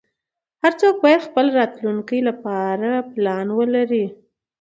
هر څوک باید خپل راتلونکې لپاره پلان ولری